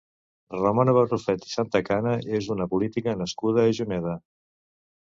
Ramona Barrufet i Santacana és una política nascuda a Juneda.